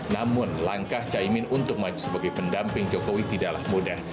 namun langkah caimin untuk maju sebagai pendamping jokowi tidaklah mudah